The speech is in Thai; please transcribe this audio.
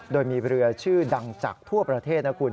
โดยมีเรือชื่อดังจากทั่วประเทศนะคุณ